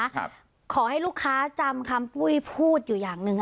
ขอให้ลูกค้าจำคำปุ้ยพูดอยู่อย่างหนึ่ง